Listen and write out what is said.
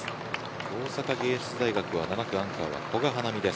大阪芸術大学は７区アンカーが古賀です。